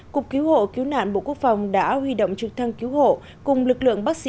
cục cứu hộ cứu nạn bộ quốc phòng đã huy động trực thăng cứu hộ cùng lực lượng bác sĩ